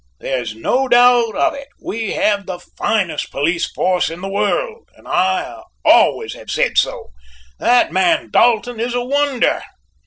There is no doubt of it, we have the finest police force in the world, and I always have said so. That man Dalton is a wonder."